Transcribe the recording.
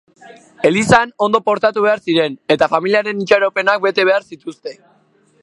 Elizan ondo portatu behar ziren eta familiaren itxaropenak bete behar zituzte.